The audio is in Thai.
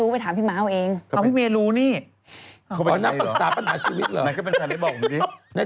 เขาเป็นใครเขาทำอาชีพศาสถ์มาหาอาชีพอะไร